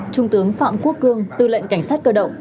trung tướng phạm quốc cương tư lệnh cảnh sát cơ động